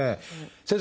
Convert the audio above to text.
先生